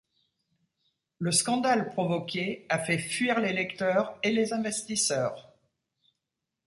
Le scandale provoqué a fait fuir les lecteurs et les investisseurs.